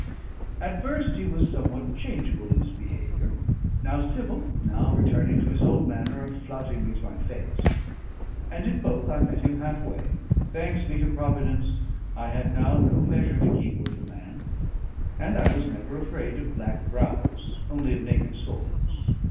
At first he was somewhat changeable in his behaviour: now civil, now returning to his old manner of flouting me to my face; and in both I met him half way. Thanks be to Providence, I had now no measure to keep with the man; and I was never afraid of black brows, only of naked swords.